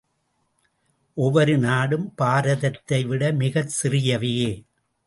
ஒவ்வொரு நாடும் பாரதத்தை விட மிகச் சிறியவையே.